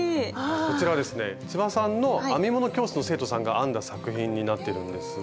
こちらはですね千葉さんの編み物教室の生徒さんが編んだ作品になってるんですが。